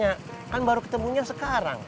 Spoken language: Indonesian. pak sofyan baru ketemunya sekarang